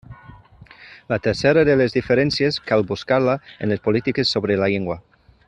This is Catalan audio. La tercera de les diferències cal buscar-la en les polítiques sobre la llengua.